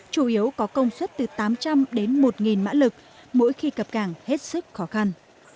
chủ yếu có công suất từ tám trăm linh đến một mã lực mỗi khi cập càng hết sức khó khăn